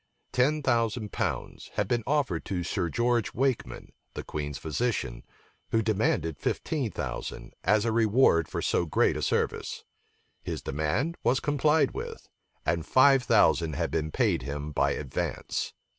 Ten thousand pounds had been offered to Sir George Wakeman, the queen's physician, who demanded fifteen thousand, as a reward for so great a service: his demand was complied with; and five thousand had been paid him by advance.